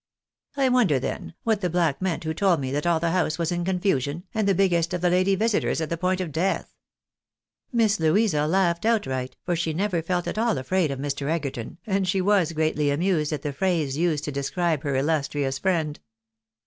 " I wonder, then, what the black meant who told me that all the house was in confusion, and the biggest of the lady visitors at the point of death." Miss Louisa laughed outright, for she never felt at all afraid of Mr. Egerton, and she was greatly amused at the phrase used to describe her illustrious friend.